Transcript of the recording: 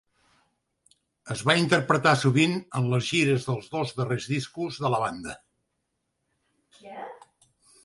Es va interpretar sovint en les gires dels dos darrers discos de la banda.